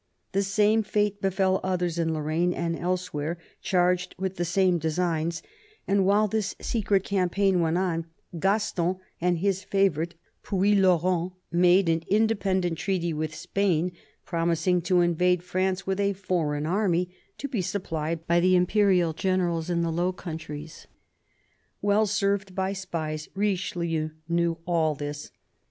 The same fate befell others, in Lorraine and elsewhere, charged with the same designs ; and while this secret campaign went on, Gaston and his favourite Puylaurens made an independent treaty with Spain, promising to invade France with a foreign army to be supplied by the Imperial generals in the Low Countries. Well served by spies, Richelieu knew all this.